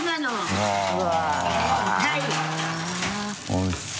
おいしそう。